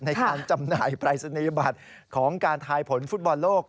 จำหน่ายปรายศนียบัตรของการทายผลฟุตบอลโลก